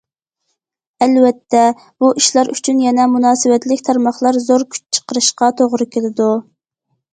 ئەلۋەتتە، بۇ ئىشلار ئۈچۈن يەنە مۇناسىۋەتلىك تارماقلار زور كۈچ چىقىرىشقا توغرا كېلىدۇ.